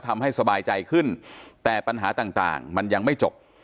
ทำให้สบายใจขึ้นแต่ปัญหาต่างมันยังไม่จบ